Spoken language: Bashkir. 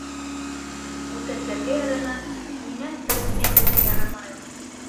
Бүтәндәргә яраған ниңә бер миңә генә ярамай ул?